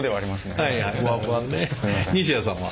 西谷さんは？